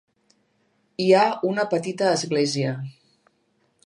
Hi ha una petita església.